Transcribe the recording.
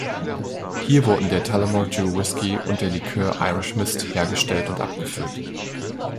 Hier wurden der Tullamore-Dew-Whiskey und der Likör Irish Mist hergestellt und abgefüllt.